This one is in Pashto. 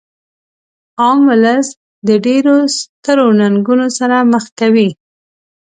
عام ولس د ډیرو سترو ننګونو سره مخ کوي.